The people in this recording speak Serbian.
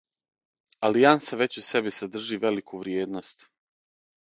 Алијанса већ у себи садржи велику вриједност.